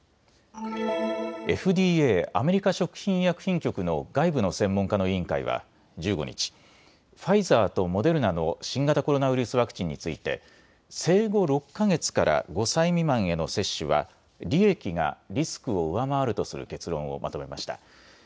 ＦＤＡ・アメリカ食品医薬品局の外部の専門家の委員会は１５日、ファイザーとモデルナの新型コロナウイルスワクチンについて生後６か月から５歳未満への接種は利益がリスクを上回るとする結論をまとめました。